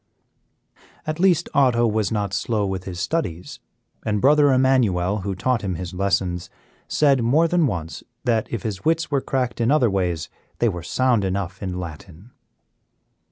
At least Otto was not slow with his studies, and Brother Emmanuel, who taught him his lessons, said more than once that, if his wits were cracked in other ways, they were sound enough in Latin.